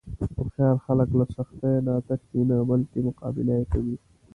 هوښیار خلک له سختیو نه تښتي نه، بلکې مقابله یې کوي.